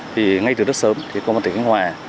thì ngay từ rất sớm thì công an tỉnh khánh hòa